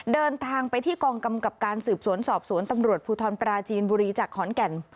เดินทางไปที่กองกำกับการสืบสวนสอบสวนตำรวจภูทรปราจีนบุรีจากขอนแก่น